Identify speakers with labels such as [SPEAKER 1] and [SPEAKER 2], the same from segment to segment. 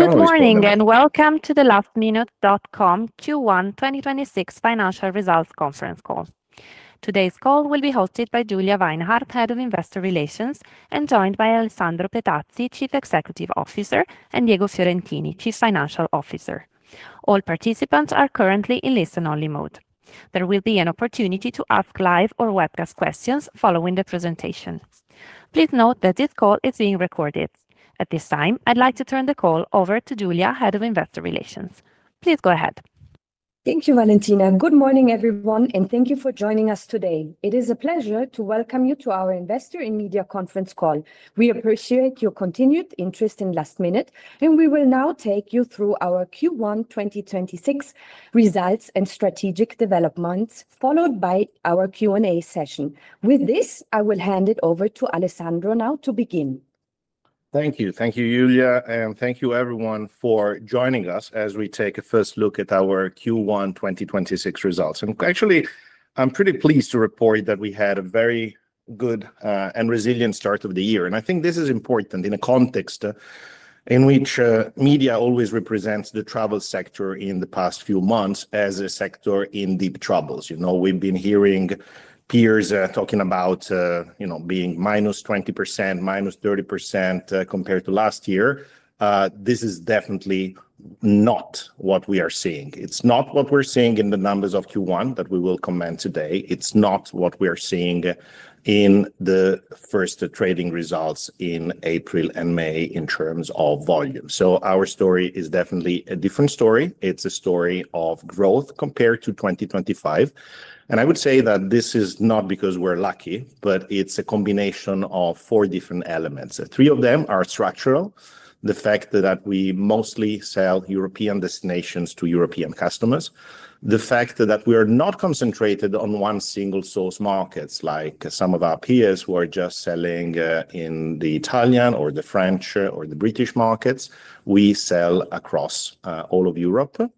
[SPEAKER 1] Good morning and welcome to the lastminute.com Q1 2026 financial results conference call. Today's call will be hosted by Julia Weinhart, Head of Investor Relations, and joined by Alessandro Petazzi, Chief Executive Officer, and Diego Fiorentini, Chief Financial Officer. All participants are currently in listen-only mode. There will be an opportunity to ask live or webcast questions following the presentation. Please note that this call is being recorded. At this time, I'd like to turn the call over to Julia, Head of Investor Relations. Please go ahead.
[SPEAKER 2] Thank you, Valentina. Good morning, everyone, and thank you for joining us today. It is a pleasure to welcome you to our investor and media conference call. We appreciate your continued interest in lastminute.com, and we will now take you through our Q1 2026 results and strategic developments, followed by our Q&A session. With this, I will hand it over to Alessandro Petazzi now to begin.
[SPEAKER 3] Thank you. Thank you, Julia, and thank you everyone for joining us as we take a first look at our Q1 2026 results. Actually, I'm pretty pleased to report that we had a very good and resilient start of the year. I think this is important in a context in which media always represents the travel sector in the past few months as a sector in deep troubles. You know, we've been hearing peers talking about, you know, being -20%, -30% compared to last year. This is definitely not what we are seeing. It's not what we're seeing in the numbers of Q1 that we will comment today. It's not what we are seeing in the first trading results in April and May in terms of volume. Our story is definitely a different story. It's a story of growth compared to 2025. I would say that this is not because we're lucky, but it's a combination of four different elements. Three of them are structural. The fact that we mostly sell European destinations to European customers. The fact that we are not concentrated on one single source markets like some of our peers who are just selling in the Italian or the French or the British markets. We sell across all of Europe,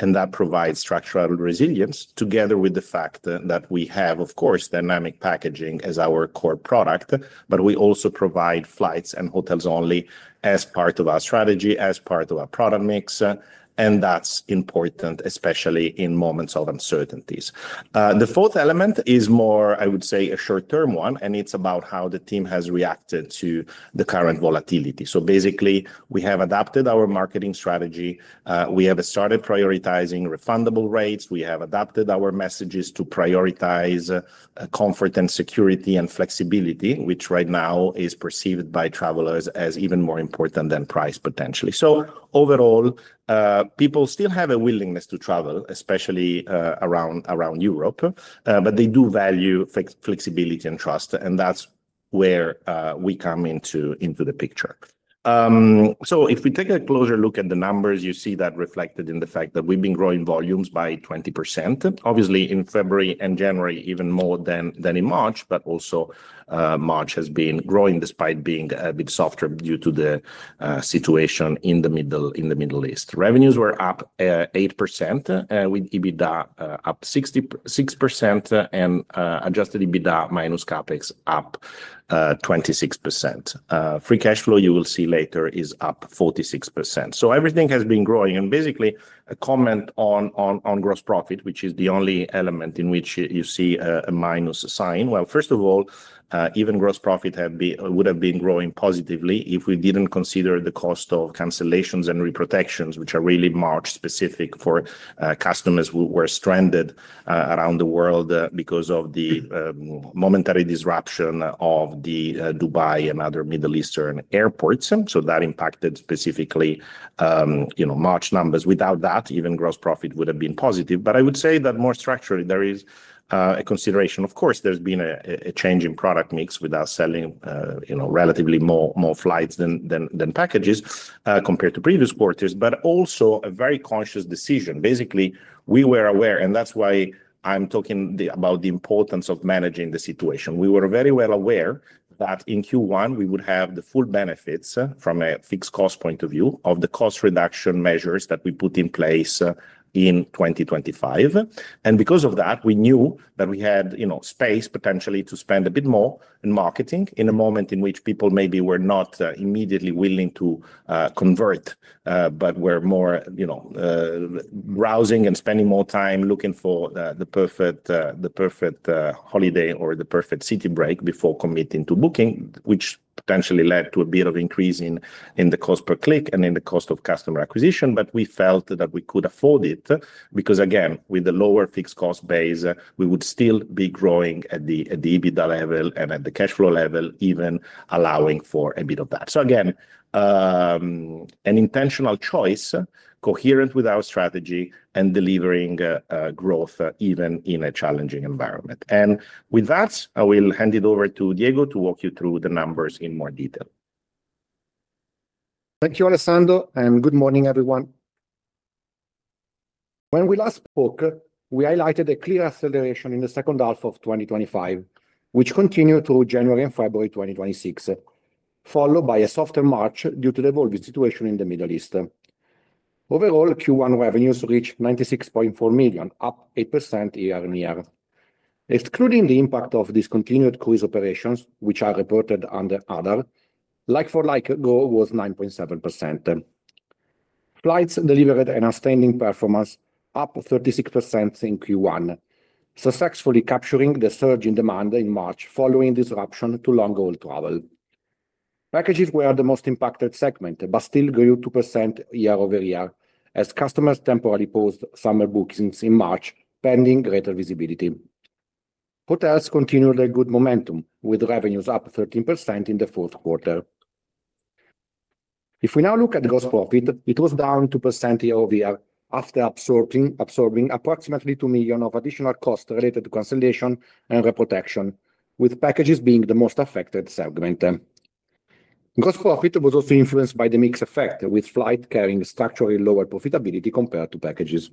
[SPEAKER 3] and that provides structural resilience together with the fact that we have, of course, dynamic packaging as our core product, but we also provide flights and hotels only as part of our strategy, as part of our product mix, and that's important, especially in moments of uncertainties. The fourth element is more, I would say, a short-term one, and it's about how the team has reacted to the current volatility. Basically, we have adapted our marketing strategy. We have started prioritizing refundable rates. We have adapted our messages to prioritize comfort and security and flexibility, which right now is perceived by travelers as even more important than price, potentially. Overall, people still have a willingness to travel, especially around Europe, but they do value flexibility and trust, and that's where we come into the picture. If we take a closer look at the numbers, you see that reflected in the fact that we've been growing volumes by 20%. Obviously, in February and January, even more than in March, but also March has been growing despite being a bit softer due to the situation in the Middle East. Revenues were up 8%, with EBITDA up 66% and adjusted EBITDA minus CapEx up 26%. Free cash flow, you will see later, is up 46%. Everything has been growing. Basically, a comment on gross profit, which is the only element in which you see a minus sign. Well, first of all, even gross profit would have been growing positively if we didn't consider the cost of cancellations and reprotections, which are really March-specific for customers who were stranded around the world because of the momentary disruption of the Dubai and other Middle Eastern airports. That impacted specifically, you know, March numbers. Without that, even gross profit would have been positive. I would say that more structurally, there is a consideration. Of course, there's been a change in product mix with our selling, you know, relatively more flights than packages, compared to previous quarters, but also a very conscious decision. Basically, we were aware, and that's why I'm talking about the importance of managing the situation. We were very well aware that in Q1, we would have the full benefits from a fixed cost point of view of the cost reduction measures that we put in place in 2025. Because of that, we knew that we had, you know, space potentially to spend a bit more in marketing in a moment in which people maybe were not immediately willing to convert, but were more, you know, browsing and spending more time looking for the perfect holiday or the perfect city break before committing to booking, which potentially led to a bit of increase in the cost per click and in the cost of customer acquisition. We felt that we could afford it because, again, with the lower fixed cost base, we would still be growing at the EBITDA level and at the cash flow level, even allowing for a bit of that. Again, an intentional choice coherent with our strategy and delivering growth even in a challenging environment. With that, I will hand it over to Diego to walk you through the numbers in more detail.
[SPEAKER 4] Thank you, Alessandro. Good morning, everyone. When we last spoke, we highlighted a clear acceleration in the second half of 2025, which continued through January and February 2026, followed by a softer March due to the evolving situation in the Middle East. Overall Q1 revenues reached 96.4 million, up 8% year-over-year. Excluding the impact of discontinued cruise operations, which are reported under other, like-for-like growth was 9.7%. Flights delivered an outstanding performance, up 36% in Q1, successfully capturing the surge in demand in March following disruption to long-haul travel. Packages were the most impacted segment, but still grew 2% year-over-year as customers temporarily paused summer bookings in March, pending greater visibility. Hotels continued a good momentum, with revenues up 13% in the fourth quarter. If we now look at gross profit, it was down 2% year-over-year after absorbing approximately 2 million of additional costs related to cancellation and reprotection, with packages being the most affected segment. Gross profit was also influenced by the mix effect, with flight carrying structurally lower profitability compared to packages.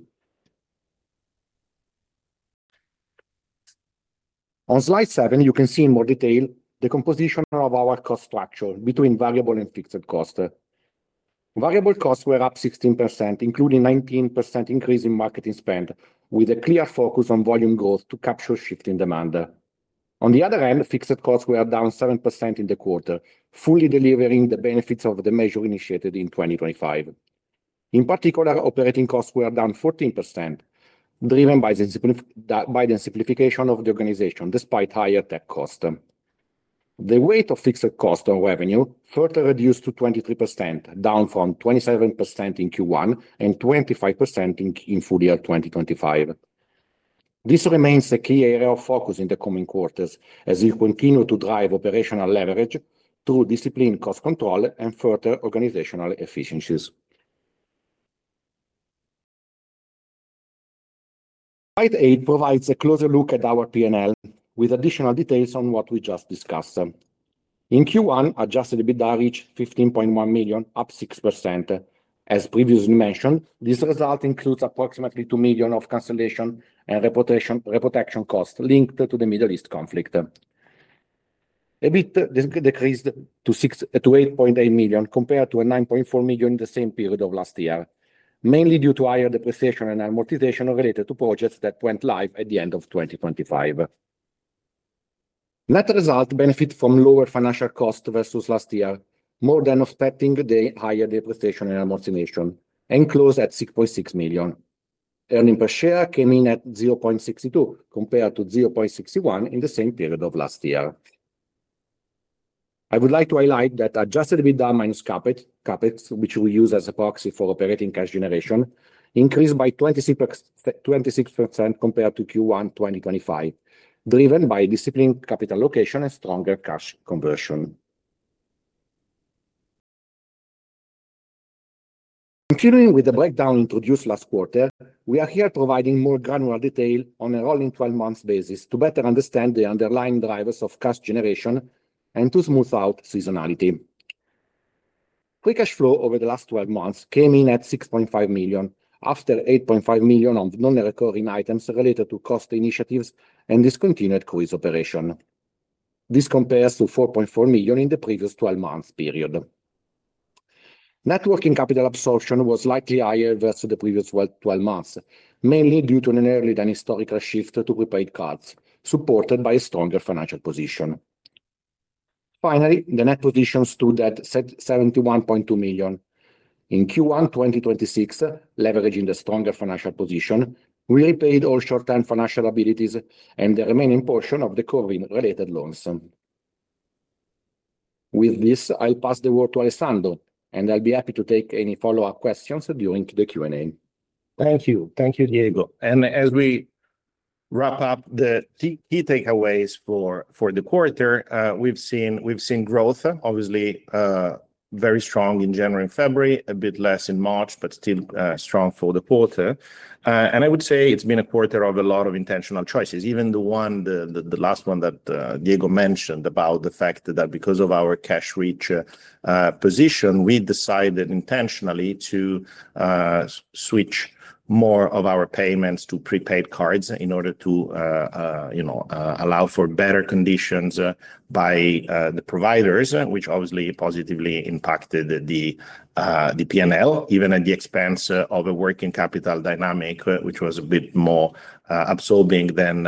[SPEAKER 4] On slide 7, you can see in more detail the composition of our cost structure between variable and fixed cost. Variable costs were up 16%, including 19% increase in marketing spend, with a clear focus on volume growth to capture shifting demand. Fixed costs were down 7% in the quarter, fully delivering the benefits of the measure initiated in 2025. Operating costs were down 14%, driven by the simplification of the organization despite higher tech cost. The weight of fixed cost on revenue further reduced to 23%, down from 27% in Q1 and 25% in full year 2025. This remains a key area of focus in the coming quarters as we continue to drive operational leverage through disciplined cost control and further organizational efficiencies. Slide eight provides a closer look at our P&L with additional details on what we just discussed. In Q1, adjusted EBITDA reached 15.1 million, up 6%. As previously mentioned, this result includes approximately 2 million of cancellation and reprotection costs linked to the Middle East conflict. EBITA decreased to 8.8 million compared to 9.4 million in the same period of last year, mainly due to higher depreciation and amortization related to projects that went live at the end of 2025. Net result benefit from lower financial cost versus last year, more than offsetting the higher depreciation and amortization, and closed at 6.6 million. Earnings per share came in at 0.62 compared to 0.61 in the same period of last year. I would like to highlight that adjusted EBITDA minus CapEx, which we use as a proxy for operating cash generation, increased by 26% compared to Q1 2025, driven by disciplined capital allocation and stronger cash conversion. Continuing with the breakdown introduced last quarter, we are here providing more granular detail on a rolling 12 months basis to better understand the underlying drivers of cash generation and to smooth out seasonality. Free cash flow over the last 12 months came in at 6.5 million, after 8.5 million of non-recurring items related to cost initiatives and discontinued cruise operation. This compares to 4.4 million in the previous 12 months period. Net working capital absorption was slightly higher versus the previous 12 months, mainly due to an earlier than historical shift to prepaid cards, supported by a stronger financial position. Finally, the net position stood at 71.2 million. In Q1 2026, leveraging the stronger financial position, we repaid all short-term financial liabilities and the remaining portion of the COVID-related loans. With this, I'll pass the word to Alessandro, and I'll be happy to take any follow-up questions during the Q&A.
[SPEAKER 3] Thank you. Thank you, Diego. As we wrap up the key takeaways for the quarter, we've seen growth obviously, very strong in January and February, a bit less in March, but still strong for the quarter. I would say it's been a quarter of a lot of intentional choices. Even the last one that Diego mentioned about the fact that because of our cash rich position, we decided intentionally to switch more of our payments to prepaid cards in order to, you know, allow for better conditions by the providers, which obviously positively impacted the P&L even at the expense of a working capital dynamic, which was a bit more absorbing than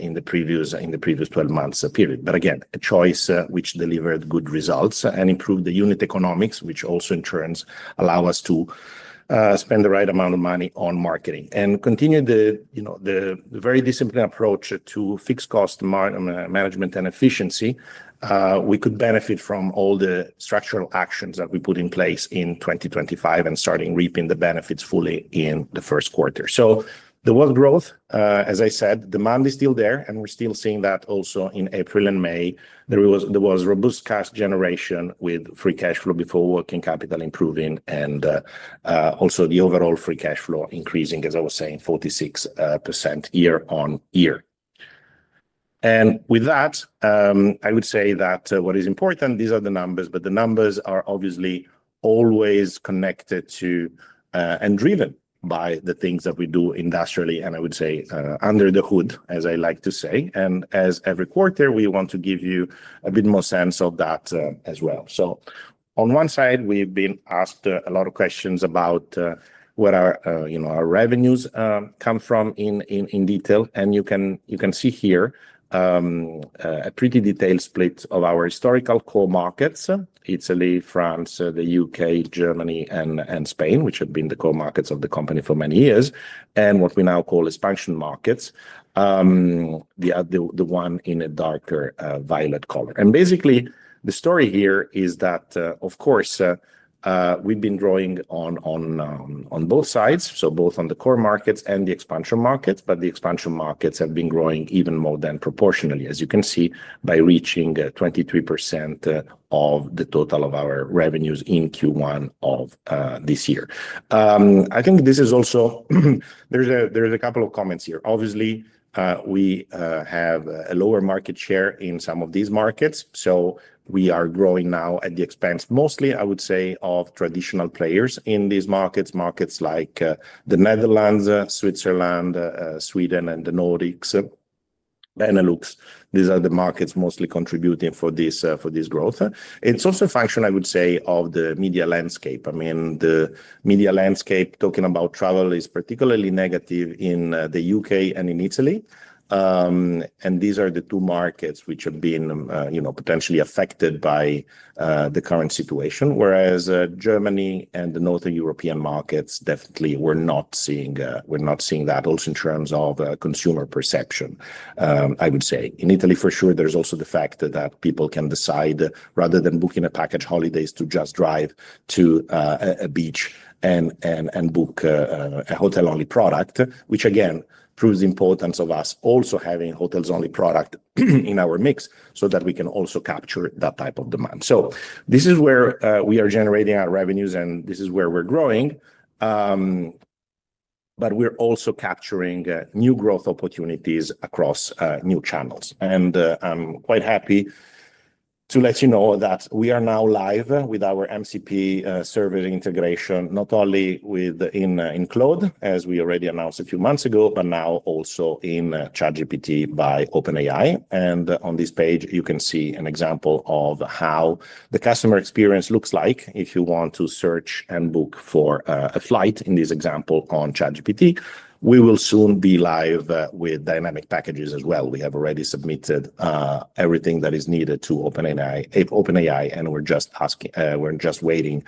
[SPEAKER 3] in the previous 12 months period. Again, a choice which delivered good results and improved the unit economics, which also in turn allow us to spend the right amount of money on marketing. Continue the, you know, the very disciplined approach to fixed cost management and efficiency, we could benefit from all the structural actions that we put in place in 2025 and starting reaping the benefits fully in the first quarter. There was growth. As I said, demand is still there, we're still seeing that also in April and May. There was robust cash generation with free cash flow before working capital improving and also the overall free cash flow increasing, as I was saying, 46% year-on-year. With that, I would say that what is important, these are the numbers, but the numbers are obviously always connected to and driven by the things that we do industrially, and I would say, under the hood, as I like to say. As every quarter, we want to give you a bit more sense of that as well. On one side, we've been asked a lot of questions about where our, you know, our revenues come from in detail. You can see here a pretty detailed split of our historical core markets, Italy, France, the U.K., Germany and Spain, which have been the core markets of the company for many years. What we now call expansion markets, the one in a darker violet color. Basically, the story here is that, of course, we've been growing on both sides, so both on the core markets and the expansion markets. The expansion markets have been growing even more than proportionally, as you can see, by reaching 23% of the total of our revenues in Q1 of this year. I think there's a couple of comments here. Obviously, we have a lower market share in some of these markets, so we are growing now at the expense, mostly, I would say, of traditional players in these markets. Markets like the Netherlands, Switzerland, Sweden and the Nordics. It looks these are the markets mostly contributing for this for this growth. It's also a function, I would say, of the media landscape. I mean, the media landscape, talking about travel, is particularly negative in the U.K. and in Italy. These are the two markets which have been, you know, potentially affected by the current situation. Whereas Germany and the Northern European markets, definitely we're not seeing that also in terms of consumer perception, I would say. In Italy for sure, there's also the fact that people can decide, rather than booking a package holidays, to just drive to a beach and book a hotel-only product. Which again, proves the importance of us also having hotels-only product in our mix, so that we can also capture that type of demand. This is where we are generating our revenues, and this is where we're growing. We're also capturing new growth opportunities across new channels. I'm quite happy to let you know that we are now live with our MCP service integration, not only within Claude, as we already announced a few months ago, but now also in ChatGPT by OpenAI. On this page, you can see an example of how the customer experience looks like if you want to search and book for a flight, in this example, on ChatGPT. We will soon be live with dynamic packages as well. We have already submitted everything that is needed to OpenAI, we're just waiting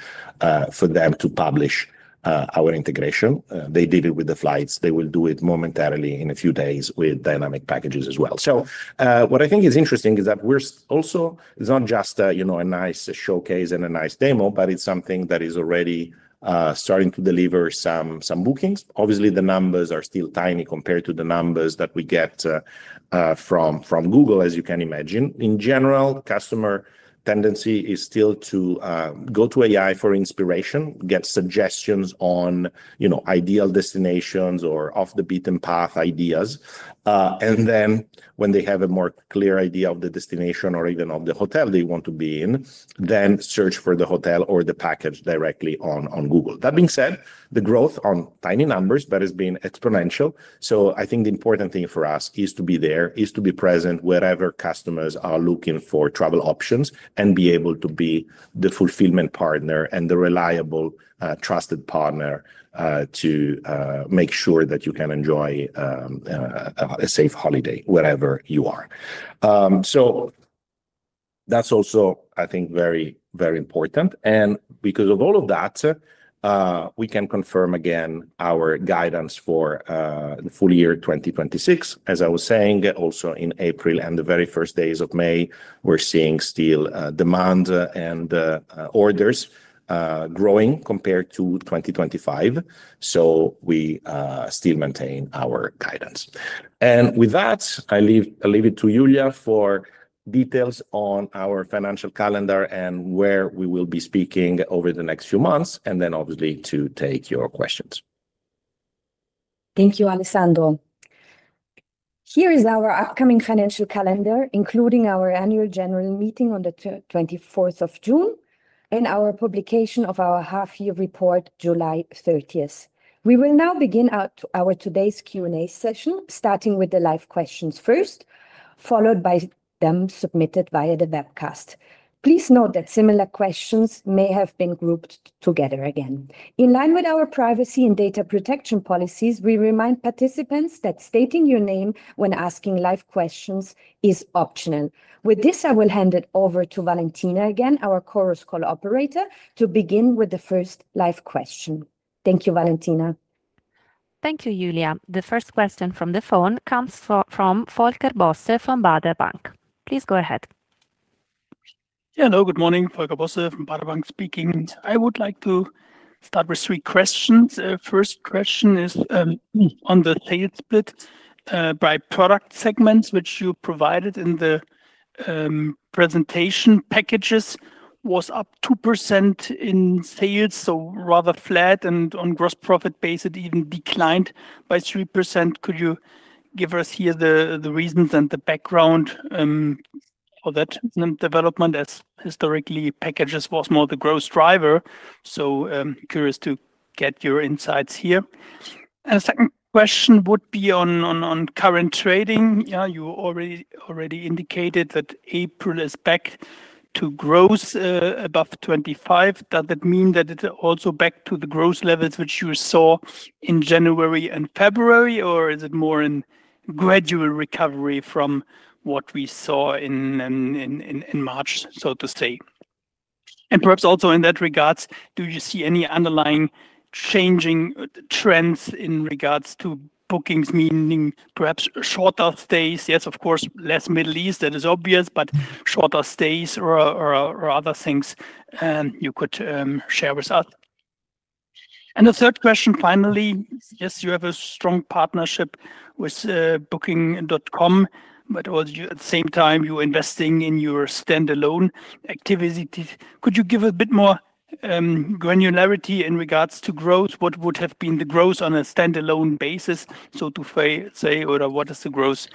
[SPEAKER 3] for them to publish our integration. They did it with the flights. They will do it momentarily in a few days with dynamic packages as well. What I think is interesting is that we're also, it's not just, you know, a nice showcase and a nice demo, but it's something that is already starting to deliver some bookings. Obviously, the numbers are still tiny compared to the numbers that we get from Google, as you can imagine. In general, customer tendency is still to go to AI for inspiration, get suggestions on, you know, ideal destinations or off the beaten path ideas. Then when they have a more clear idea of the destination or even of the hotel they want to be in, then search for the hotel or the package directly on Google. That being said, the growth on tiny numbers, but it's been exponential. I think the important thing for us is to be there, is to be present wherever customers are looking for travel options and be able to be the fulfillment partner and the reliable, trusted partner to make sure that you can enjoy a safe holiday wherever you are. That's also, I think, very, very important. Because of all of that, we can confirm again our guidance for the full year 2026. As I was saying, also in April and the very first days of May, we're seeing still demand and orders growing compared to 2025. We still maintain our guidance. With that, I leave it to Julia for details on our financial calendar and where we will be speaking over the next few months, obviously to take your questions.
[SPEAKER 2] Thank you, Alessandro. Here is our upcoming financial calendar, including our annual general meeting on the 24th of June and our publication of our half-year report July 30th. We will now begin our today's Q&A session, starting with the live questions first, followed by them submitted via the webcast. Please note that similar questions may have been grouped together again. In line with our privacy and data protection policies, we remind participants that stating your name when asking live questions is optional. With this, I will hand it over to Valentina again, our Chorus Call operator, to begin with the first live question. Thank you, Valentina.
[SPEAKER 1] Thank you, Julia. The first question from the phone comes from Volker Bosse from Baader Bank. Please go ahead.
[SPEAKER 5] Yeah. Hello, good morning. Volker Bosse from Baader Bank speaking. I would like to start with three questions. First question is on the sales split by product segments, which you provided in the presentation packages was up 2% in sales, so rather flat and on gross profit base, it even declined by 3%. Could you give us here the reasons and the background for that development as historically packages was more the gross driver? Curious to get your insights here. A second question would be on current trading. You already indicated that April is back to growth, above 2025. Does that mean that it also back to the growth levels which you saw in January and February? Is it more in gradual recovery from what we saw in March? Perhaps also in that regards, do you see any underlying changing trends in regards to bookings? Meaning perhaps shorter stays. Yes, of course, less Middle East, that is obvious. Shorter stays or other things you could share with us. The third question, finally. Yes, you have a strong partnership with Booking.com, but at the same time, you're investing in your standalone activity. Could you give a bit more granularity in regards to growth? What would have been the growth on a standalone basis? What is the growth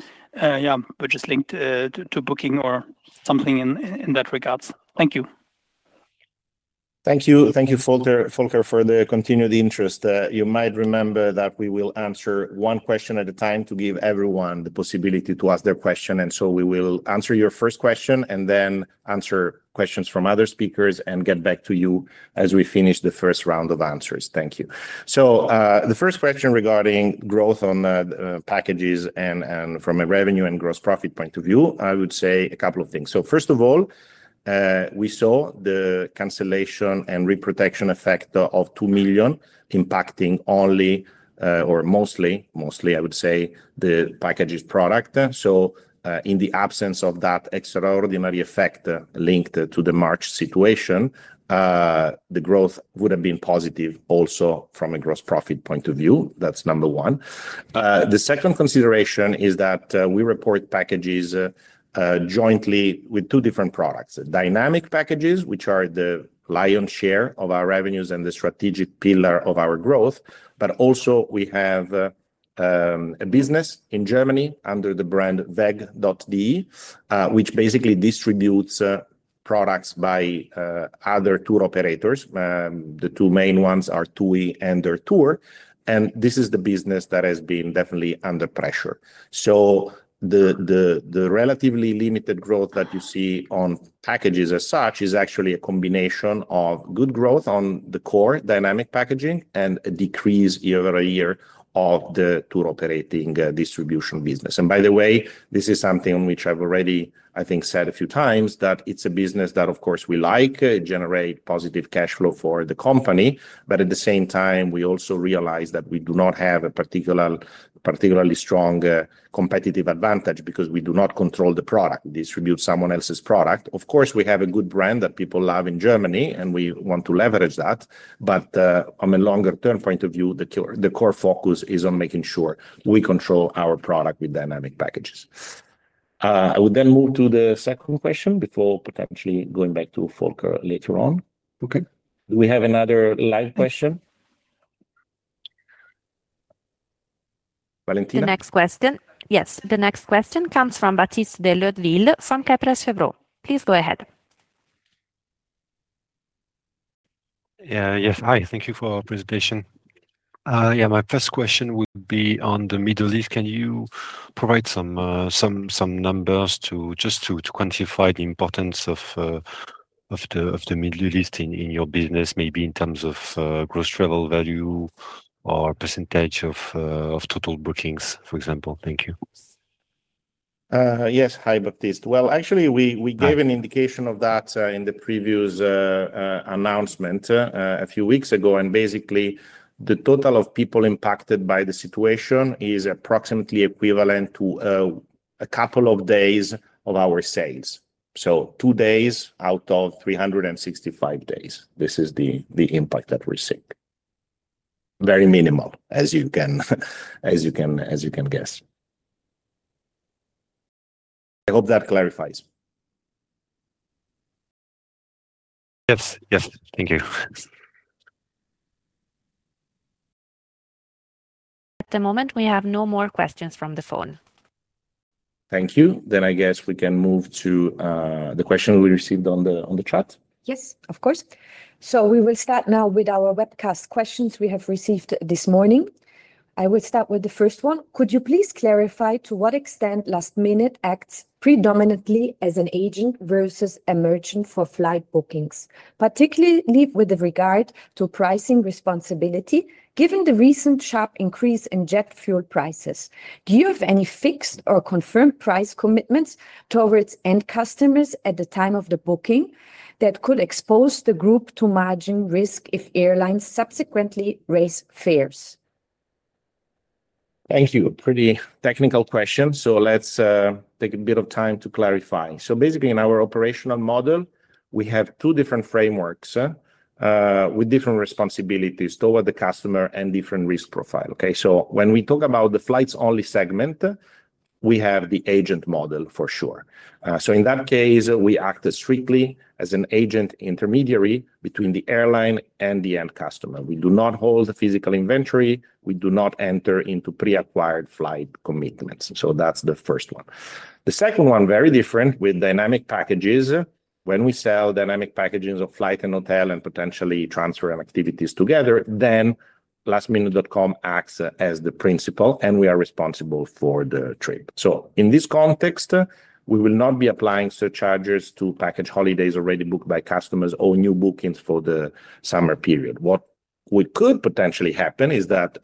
[SPEAKER 5] which is linked to Booking or something in that regards? Thank you.
[SPEAKER 3] Thank you. Thank you, Volker, for the continued interest. You might remember that we will answer one question at a time to give everyone the possibility to ask their question. We will answer your first question and then answer questions from other speakers and get back to you as we finish the first round of answers. Thank you. The first question regarding growth on packages and from a revenue and gross profit point of view, I would say a couple of things. First of all, we saw the cancellation and reprotection effect of 2 million impacting only, or mostly, I would say, the packages product. In the absence of that extraordinary effect linked to the March situation, the growth would have been positive also from a gross profit point of view. That's number one. The second consideration is that we report packages jointly with two different products. Dynamic packages, which are the lion's share of our revenues and the strategic pillar of our growth. Also we have a business in Germany under the brand weg.de, which basically distributes products by other tour operators. The two main ones are TUI and DERTOUR Group. This is the business that has been definitely under pressure. The relatively limited growth that you see on packages as such is actually a combination of good growth on the core dynamic packaging and a decrease year-over-year of the tour operating distribution business. By the way, this is something which I've already, I think, said a few times, that it's a business that of course we like, generate positive cash flow for the company. At the same time, we also realize that we do not have a particular, particularly strong, competitive advantage because we do not control the product. We distribute someone else's product. Of course, we have a good brand that people love in Germany, and we want to leverage that. On a longer term point of view, the core, the core focus is on making sure we control our product with dynamic packages. I will move to the second question before potentially going back to Volker later on.
[SPEAKER 5] Okay.
[SPEAKER 3] Do we have another live question? Valentina?
[SPEAKER 1] The next question. Yes. The next question comes from Baptiste de Leudeville from Kepler Cheuvreux. Please go ahead.
[SPEAKER 6] Yes. Hi. Thank you for your presentation. My first question would be on the Middle East. Can you provide some numbers to just to quantify the importance of the Middle East in your business? Maybe in terms of gross travel value or percentage of total bookings, for example. Thank you.
[SPEAKER 3] Yes. Hi, Baptiste. Well, actually, we gave an indication of that in the previous announcement a few weeks ago. Basically, the total of people impacted by the situation is approximately equivalent to two days of our sales. Two days out of 365 days. This is the impact that we're seeing. Very minimal, as you can guess. I hope that clarifies.
[SPEAKER 6] Yes. Yes. Thank you.
[SPEAKER 2] At the moment, we have no more questions from the phone.
[SPEAKER 3] Thank you. I guess we can move to the question we received on the chat.
[SPEAKER 2] Yes, of course. We will start now with our webcast questions we have received this morning. I will start with the first one. Could you please clarify to what extent lastminute acts predominantly as an agent versus a merchant for flight bookings, particularly with regard to pricing responsibility? Given the recent sharp increase in jet fuel prices, do you have any fixed or confirmed price commitments towards end customers at the time of the booking that could expose the group to margin risk if airlines subsequently raise fares?
[SPEAKER 3] Thank you. Pretty technical question. Let's take a bit of time to clarify. Basically, in our operational model, we have two different frameworks, with different responsibilities toward the customer and different risk profile. Okay. When we talk about the flights-only segment, we have the agent model for sure. In that case, we act strictly as an agent intermediary between the airline and the end customer. We do not hold the physical inventory. We do not enter into pre-acquired flight commitments. That's the first one. The second one, very different. When we sell dynamic packages of flight and hotel and potentially transfer and activities together, then lastminute.com acts as the principal, and we are responsible for the trip. In this context, we will not be applying surcharges to package holidays already booked by customers or new bookings for the summer period. What could potentially happen is that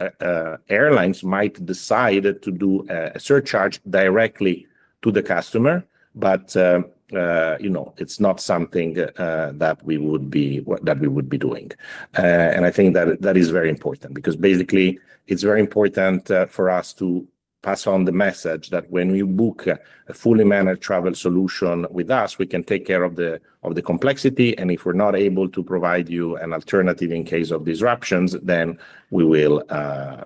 [SPEAKER 3] airlines might decide to do a surcharge directly to the customer, but, you know, it's not something that we would be doing. And I think that is very important because basically it's very important for us to pass on the message that when you book a fully managed travel solution with us, we can take care of the complexity, and if we're not able to provide you an alternative in case of disruptions, then we will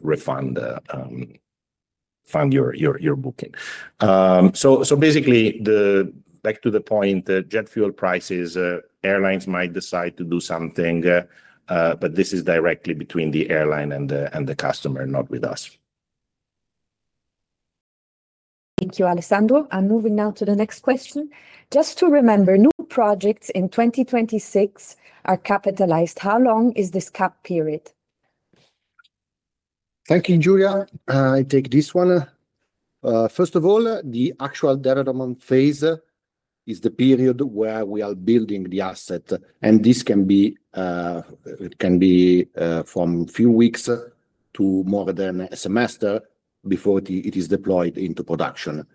[SPEAKER 3] refund your booking. Basically back to the point, jet fuel prices, airlines might decide to do something, this is directly between the airline and the customer, not with us.
[SPEAKER 2] Thank you, Alessandro. I'm moving now to the next question. Just to remember, new projects in 2026 are capitalized. How long is this cap period?
[SPEAKER 4] Thank you, Julia. I take this one. First of all, the actual development phase is the period where we are building the asset, and this can be, it can be, from few weeks to more than a semester before it is deployed into production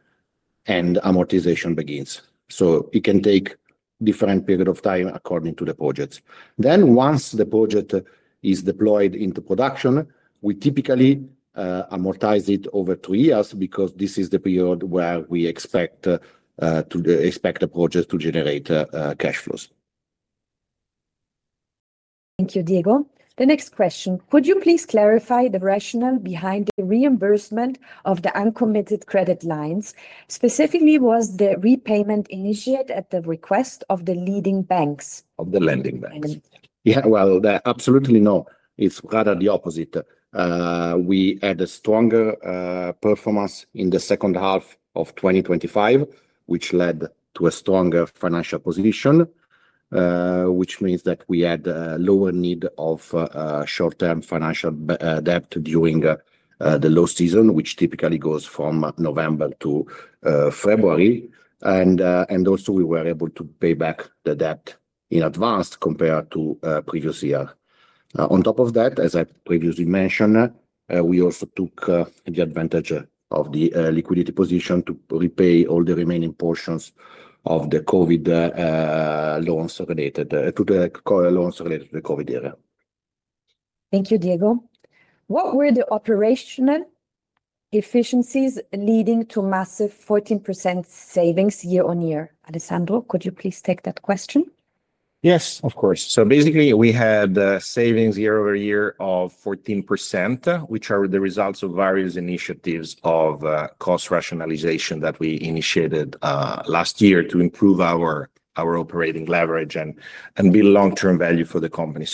[SPEAKER 4] and amortization begins. It can take different period of time according to the projects. Once the project is deployed into production, we typically amortize it over two years because this is the period where we expect the project to generate cash flows.
[SPEAKER 2] Thank you, Diego. The next question: Could you please clarify the rationale behind the reimbursement of the uncommitted credit lines? Specifically, was the repayment initiated at the request of the leading banks?
[SPEAKER 4] Of the lending banks. Yeah. Well, absolutely no. It's rather the opposite. We had a stronger performance in the second half of 2025, which led to a stronger financial position, which means that we had a lower need of short-term financial debt during the low season, which typically goes from November to February. Also, we were able to pay back the debt in advance compared to previous year. On top of that, as I previously mentioned, we also took the advantage of the liquidity position to repay all the remaining portions of the COVID loans related to the COVID era.
[SPEAKER 2] Thank you, Diego. What were the operational efficiencies leading to massive 14% savings year-over-year? Alessandro, could you please take that question?
[SPEAKER 3] Yes, of course. Basically, we had savings year-over-year of 14%, which are the results of various initiatives of cost rationalization that we initiated last year to improve our operating leverage and build long-term value for the company.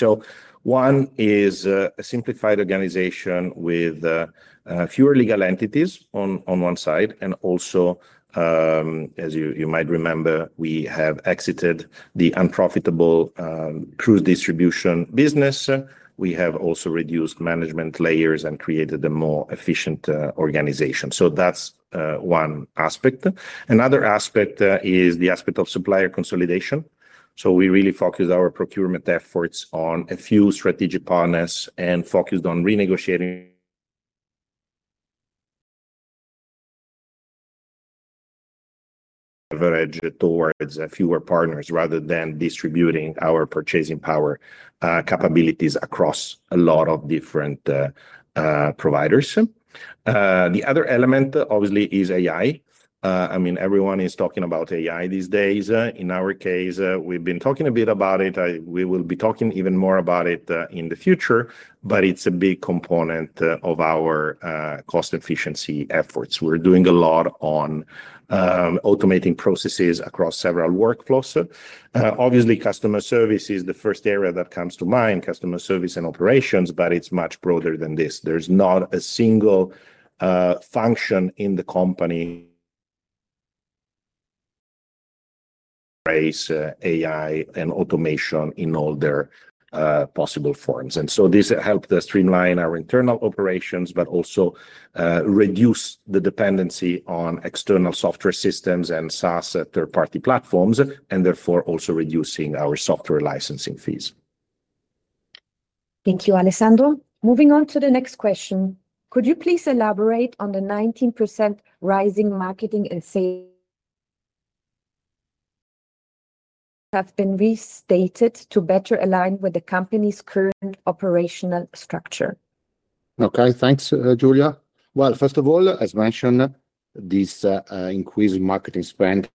[SPEAKER 3] One is a simplified organization with fewer legal entities on one side, and also, as you might remember, we have exited the unprofitable cruise distribution business. We have also reduced management layers and created a more efficient organization. That's one aspect. Another aspect is the aspect of supplier consolidation. We really focus our procurement efforts on a few strategic partners and focused on renegotiating leverage towards fewer partners rather than distributing our purchasing power capabilities across a lot of different providers. The other element obviously is AI. I mean, everyone is talking about AI these days. In our case, we've been talking a bit about it. We will be talking even more about it in the future, it's a big component of our cost efficiency efforts. We're doing a lot on automating processes across several workflows. Obviously, customer service is the first area that comes to mind, customer service and operations, it's much broader than this. There's not a single function in the company embrace AI and automation in all their possible forms. This helped us streamline our internal operations, but also reduce the dependency on external software systems and SaaS third-party platforms, and therefore also reducing our software licensing fees.
[SPEAKER 2] Thank you, Alessandro Petazzi. Moving on to the next question. Could you please elaborate on the 19% rising marketing and sales have been restated to better align with the company's current operational structure?
[SPEAKER 4] Okay. Thanks, Julia. Well, first of all, as mentioned, this increase in marketing spend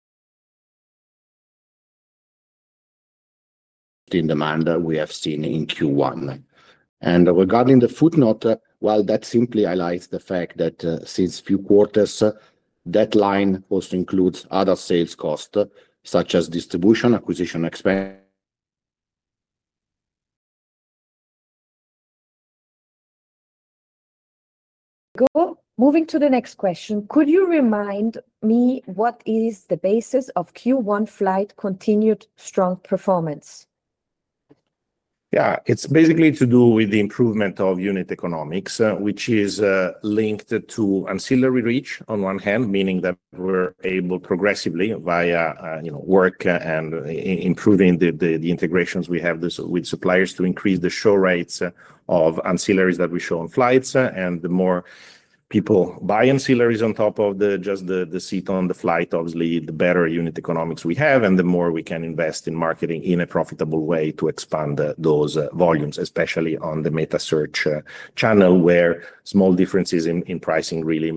[SPEAKER 4] in demand we have seen in Q1. Regarding the footnote, well, that simply highlights the fact that since few quarters, that line also includes other sales cost, such as distribution, acquisition expense.
[SPEAKER 2] Go. Moving to the next question, could you remind me what is the basis of Q1 flight continued strong performance?
[SPEAKER 3] It's basically to do with the improvement of unit economics, which is linked to ancillary reach on one hand, meaning that we're able progressively via, you know, work and improving the integrations we have with suppliers to increase the show rates of ancillaries that we show on flights. The more people buy ancillaries on top of just the seat on the flight, obviously, the better unit economics we have and the more we can invest in marketing in a profitable way to expand those volumes, especially on the metasearch channel, where small differences in pricing really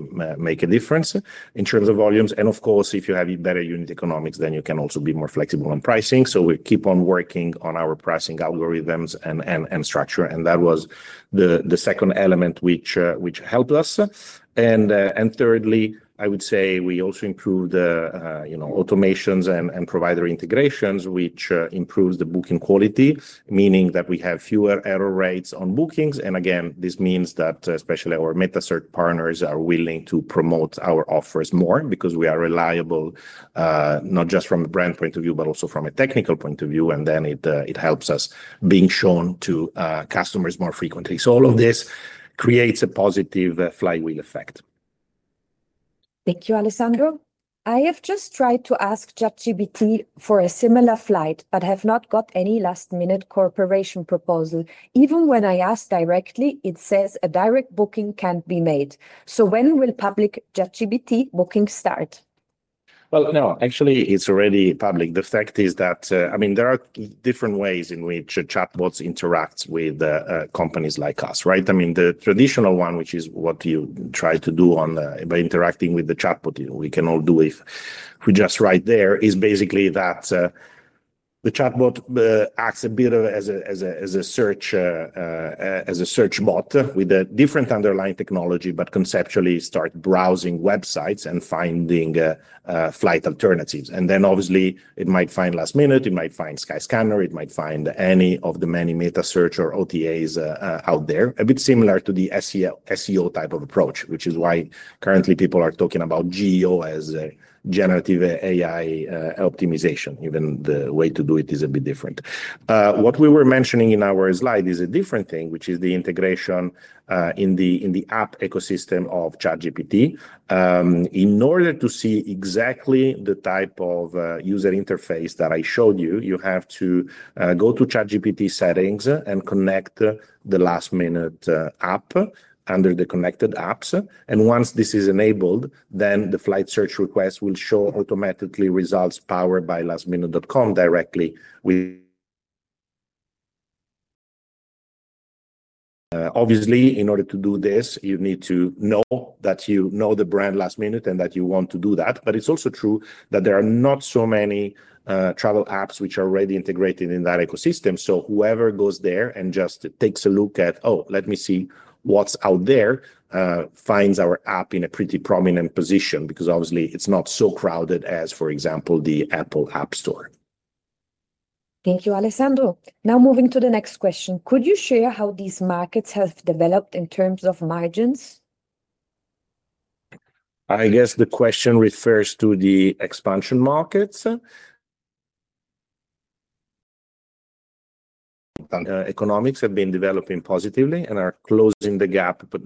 [SPEAKER 3] make a difference in terms of volumes. Of course, if you have better unit economics, then you can also be more flexible on pricing. We keep on working on our pricing algorithms and structure, and that was the second element which helped us. Thirdly, I would say we also improved the, you know, automations and provider integrations, which improves the booking quality, meaning that we have fewer error rates on bookings. Again, this means that, especially our metasearch partners are willing to promote our offers more because we are reliable, not just from a brand point of view, but also from a technical point of view, it helps us being shown to customers more frequently. All of this creates a positive flywheel effect.
[SPEAKER 2] Thank you, Alessandro. I have just tried to ask ChatGPT for a similar flight, but have not got any lastminute.com corporation proposal. Even when I ask directly, it says a direct booking can be made. When will public ChatGPT booking start?
[SPEAKER 3] Well, no, actually, it's already public. The fact is that, I mean, there are different ways in which chatbots interacts with companies like us, right? I mean, the traditional one, which is what you try to do by interacting with the chatbot, you know, we can all do if we just write there, is basically that the chatbot acts a bit as a search bot with a different underlying technology, but conceptually start browsing websites and finding flight alternatives. Obviously it might find lastminute, it might find Skyscanner, it might find any of the many metasearch or OTAs out there. A bit similar to the SEO type of approach, which is why currently people are talking about GEO as a generative AI optimization, even the way to do it is a bit different. What we were mentioning in our slide is a different thing, which is the integration in the app ecosystem of ChatGPT. In order to see exactly the type of user interface that I showed you have to go to ChatGPT settings and connect the lastminute app under the connected apps. Once this is enabled, the flight search request will show automatically results powered by lastminute.com directly. Obviously, in order to do this, you need to know that you know the brand lastminute and that you want to do that. It's also true that there are not so many travel apps which are already integrated in that ecosystem. Whoever goes there and just takes a look at, "Oh, let me see what's out there," finds our app in a pretty prominent position because obviously it's not so crowded as, for example, the Apple App Store.
[SPEAKER 2] Thank you, Alessandro. Moving to the next question. Could you share how these markets have developed in terms of margins?
[SPEAKER 3] I guess the question refers to the expansion markets. Economics have been developing positively and are closing the gap, but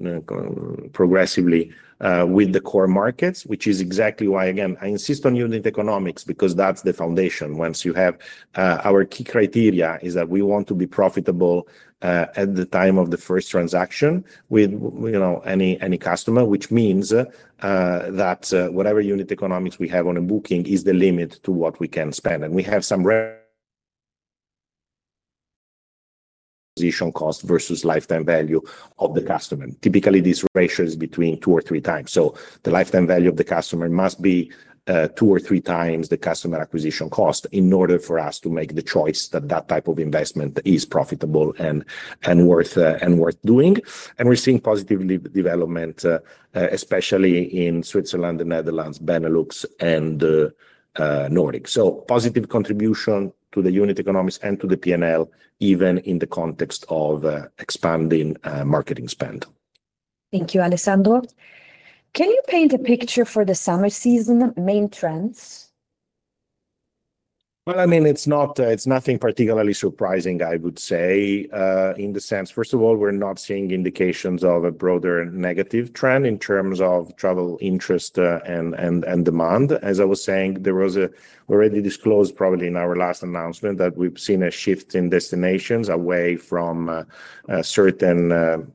[SPEAKER 3] progressively with the core markets, which is exactly why, again, I insist on unit economics because that's the foundation. Once you have, our key criteria is that we want to be profitable at the time of the first transaction with, you know, any customer, which means that whatever unit economics we have on a booking is the limit to what we can spend. We have some re-acquisition cost versus lifetime value of the customer. Typically, this ratio is between 2 or 3 times. The lifetime value of the customer must be 2 or 3 times the customer acquisition cost in order for us to make the choice that that type of investment is profitable and worth doing. We're seeing positive development especially in Switzerland, the Netherlands, Benelux, and Nordic. Positive contribution to the unit economics and to the P&L, even in the context of expanding marketing spend.
[SPEAKER 2] Thank you, Alessandro. Can you paint a picture for the summer season main trends?
[SPEAKER 3] Well, I mean, it's nothing particularly surprising, I would say, in the sense, first of all, we're not seeing indications of a broader negative trend in terms of travel interest and demand. As I was saying, we already disclosed probably in our last announcement that we've seen a shift in destinations away from certain, let's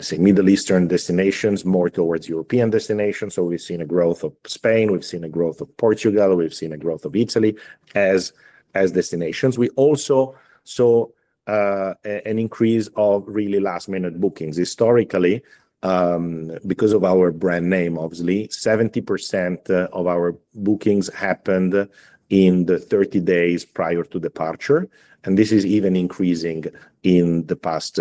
[SPEAKER 3] say, Middle Eastern destinations, more towards European destinations. We've seen a growth of Spain, we've seen a growth of Portugal, we've seen a growth of Italy as destinations. We also saw an increase of really last-minute bookings. Historically, because of our brand name, obviously, 70% of our bookings happened in the 30 days prior to departure, and this is even increasing in the past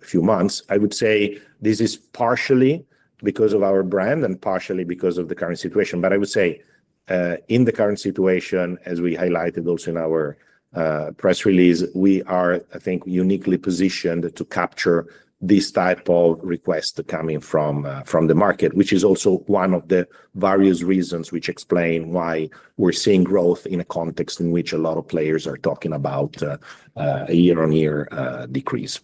[SPEAKER 3] few months. I would say this is partially because of our brand and partially because of the current situation. In the current situation, as we highlighted also in our press release, we are, I think, uniquely positioned to capture this type of request coming from the market, which is also one of the various reasons which explain why we're seeing growth in a context in which a lot of players are talking about year-over-year decrease.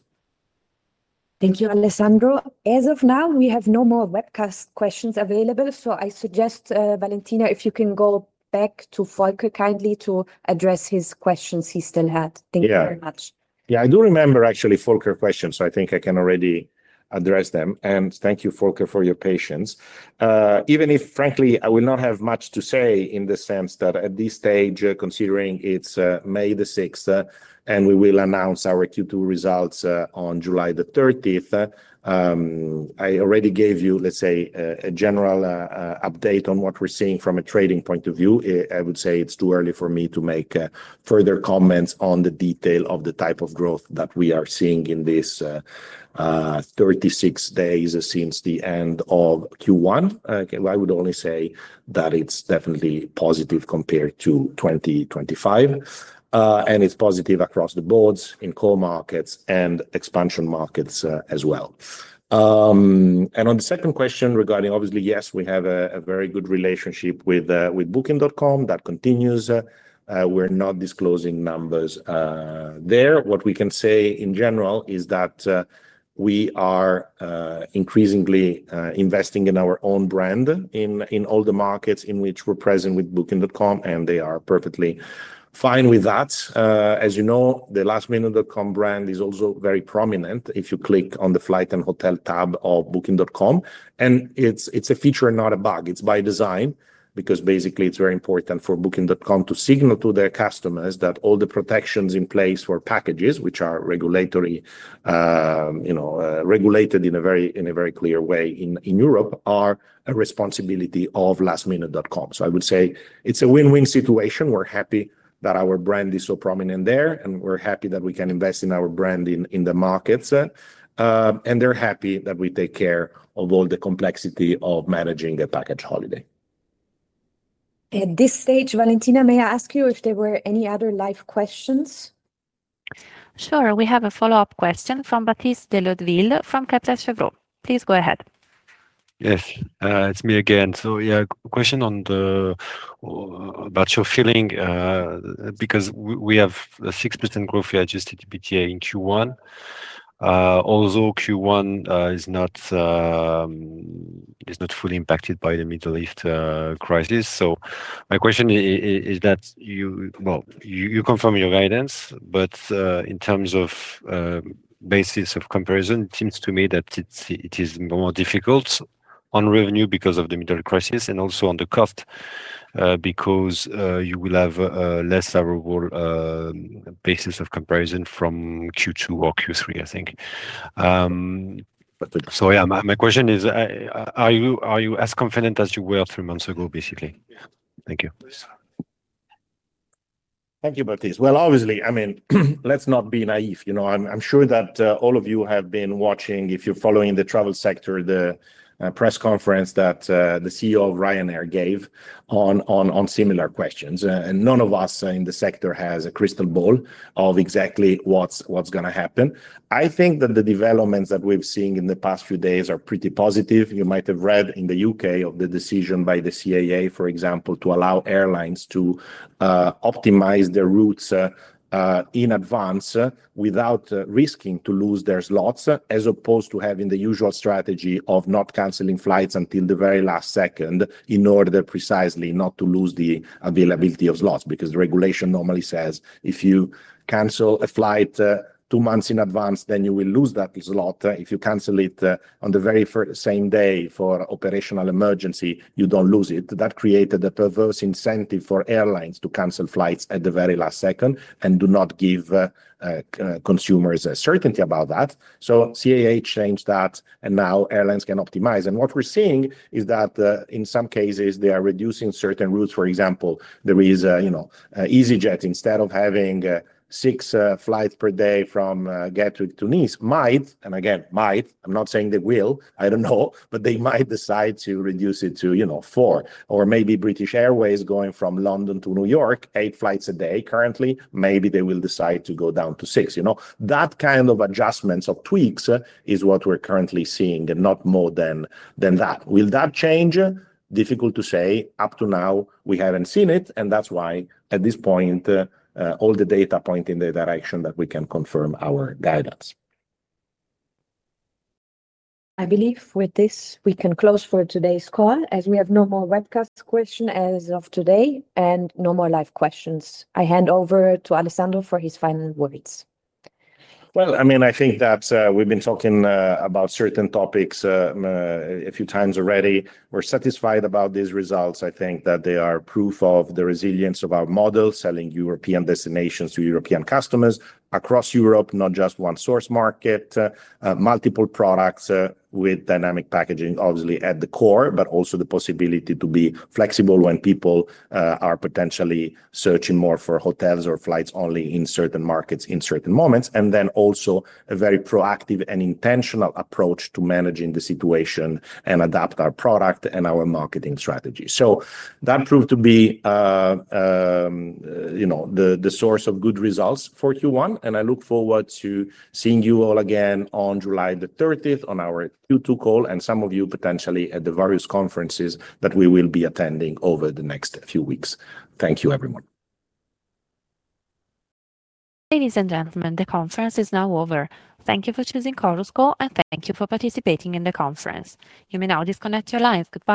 [SPEAKER 2] Thank you, Alessandro. As of now, we have no more webcast questions available. I suggest, Valentina, if you can go back to Volker kindly to address his questions he still had. Thank you very much.
[SPEAKER 3] Yeah. Yeah, I do remember actually Volker questions. I think I can already address them. Thank you, Volker, for your patience. Even if frankly, I will not have much to say in the sense that at this stage, considering it's May the 6th, and we will announce our Q2 results on July the 30th. I already gave you, let's say, a general update on what we're seeing from a trading point of view. I would say it's too early for me to make further comments on the detail of the type of growth that we are seeing in this 36 days since the end of Q1. I would only say that it's definitely positive compared to 2025. It's positive across the boards in core markets and expansion markets as well. On the second question regarding, obviously, yes, we have a very good relationship with Booking.com that continues. We're not disclosing numbers there. What we can say in general is that we are increasingly investing in our own brand in all the markets in which we're present with Booking.com, and they are perfectly fine with that. As you know, the lastminute.com brand is also very prominent if you click on the flight and hotel tab of Booking.com, and it's a feature, not a bug. It's by design because basically, it's very important for Booking.com to signal to their customers that all the protections in place for packages which are regulatory, you know, regulated in a very, in a very clear way in Europe, are a responsibility of lastminute.com. I would say it's a win-win situation. We're happy that our brand is so prominent there, and we're happy that we can invest in our brand in the markets. They're happy that we take care of all the complexity of managing a package holiday.
[SPEAKER 2] At this stage, Valentina, may I ask you if there were any other live questions?
[SPEAKER 1] Sure. We have a follow-up question from Baptiste de Leudeville from Kepler Cheuvreux. Please go ahead.
[SPEAKER 6] Yes. It's me again. Yeah, question about your feeling, because we have a 6% growth adjusted EBITDA in Q1. Although Q1 is not fully impacted by the Middle East crisis. My question is that you, well, you confirm your guidance, but in terms of basis of comparison, it seems to me that it is more difficult on revenue because of the Middle East crisis and also on the cost, because you will have less favorable basis of comparison from Q2 or Q3, I think. Yeah, my question is, are you as confident as you were three months ago, basically? Thank you.
[SPEAKER 3] Please. Thank you, Baptiste. Well, obviously, I mean, let's not be naive, you know. I'm sure that all of you have been watching, if you're following the travel sector, the press conference that the CEO of Ryanair gave on similar questions. None of us in the sector has a crystal ball of exactly what's gonna happen. I think that the developments that we've seen in the past few days are pretty positive. You might have read in the U.K. of the decision by the CAA, for example, to allow airlines to optimize their routes in advance without risking to lose their slots, as opposed to having the usual strategy of not canceling flights until the very last second in order precisely not to lose the availability of slots. Because the regulation normally says, if you cancel a flight, two months in advance, then you will lose that slot. If you cancel it, on the very same day for operational emergency, you don't lose it. That created a perverse incentive for airlines to cancel flights at the very last second and do not give consumers a certainty about that. CAA changed that, and now airlines can optimize. What we're seeing is that, in some cases, they are reducing certain routes. For example, there is, you know, easyJet, instead of having six flights per day from Gatwick to Nice, might, and again, might, I'm not saying they will. I don't know. They might decide to reduce it to, you know, four. Maybe British Airways going from London to New York, eight flights a day currently. Maybe they will decide to go down to six, you know. That kind of adjustments of tweaks is what we're currently seeing, and not more than that. Will that change? Difficult to say. Up to now, we haven't seen it, and that's why at this point, all the data points in the direction that we can confirm our guidance.
[SPEAKER 2] I believe with this we can close for today's call, as we have no more webcast question as of today and no more live questions. I hand over to Alessandro for his final words.
[SPEAKER 3] I mean, I think that we've been talking about certain topics a few times already. We're satisfied about these results. I think that they are proof of the resilience of our model, selling European destinations to European customers across Europe, not just one source market. Multiple products, with dynamic packaging, obviously at the core, but also the possibility to be flexible when people are potentially searching more for hotels or flights-only in certain markets, in certain moments. Also a very proactive and intentional approach to managing the situation and adapt our product and our marketing strategy. That proved to be, you know, the source of good results for Q1, and I look forward to seeing you all again on July 30 on our Q2 call and some of you potentially at the various conferences that we will be attending over the next few weeks. Thank you, everyone.
[SPEAKER 1] Ladies and gentlemen, the conference is now over. Thank you for choosing Chorus Call, and thank you for participating in the conference. You may now disconnect your lines. Goodbye.